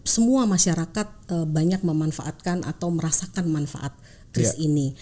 semua masyarakat banyak memanfaatkan atau merasakan manfaat kris ini